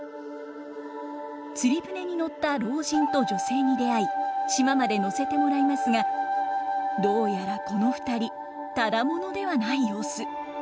釣り舟に乗った老人と女性に出会い島まで乗せてもらいますがどうやらこの２人只者ではない様子。